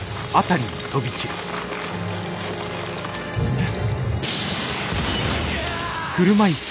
えっ？